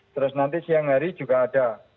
terus nanti siang hari juga ada